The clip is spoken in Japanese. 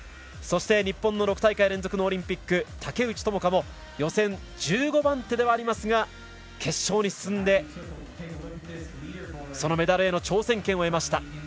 そして、日本の６大会連続オリンピック竹内智香も予選１５番手ではありますが決勝に進んでメダルへの挑戦権を得ました。